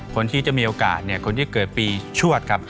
คนที่จะมีโอกาสเนี่ยคนที่เกิดปีชวดครับ